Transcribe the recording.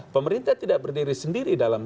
pemerintah tidak berdiri sendiri dalam